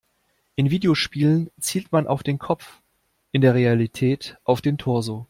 In Videospielen zielt man auf den Kopf, in der Realität auf den Torso.